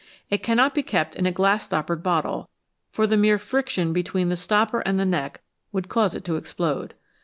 It cannot be kept in a glass stoppered bottle, for the mere friction between the stopper and the neck would cause it to explode.